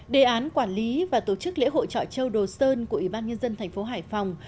đề án quản lý và tổ chức lễ hội chọi châu đồ sơn của ủy ban nhân dân tp hải phòng